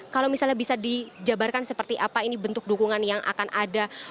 kalau misalnya bisa dijabarkan seperti apa ini bentuk dukungan yang akan ada